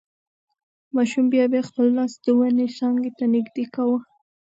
ماشوم بیا بیا خپل لاس د ونې څانګې ته نږدې کاوه.